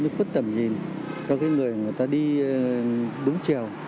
cái khuất tầm nhìn cho cái người người ta đi đúng chiều